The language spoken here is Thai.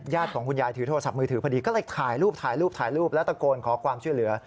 ของคุณยายถือโทรศัพท์มือถือพอดีก็เลยถ่ายรูปถ่ายรูปถ่ายรูปแล้วตะโกนขอความช่วยเหลือ